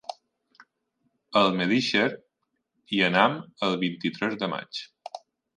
A Almedíxer hi anem el vint-i-tres de maig.